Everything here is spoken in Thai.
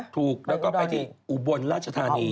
ถูกแล้วไปอุบรรณ์ราชธานี